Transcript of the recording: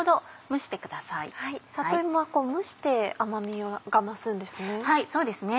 里芋は蒸して甘みが増すんですね。